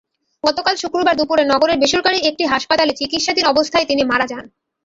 গতকাল শুক্রবার দুপুরে নগরের বেসরকারি একটি হাসপাতালে চিকিৎসাধীন অবস্থায় তিনি মারা যান।